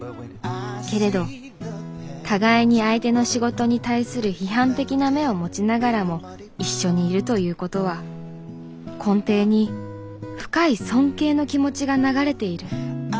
けれど互いに相手の仕事に対する批判的な目を持ちながらも一緒にいるということは根底に深い尊敬の気持ちが流れている。